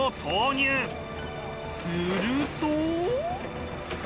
すると。